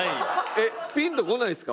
えっピンとこないですか？